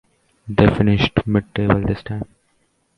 They finished mid-table this time.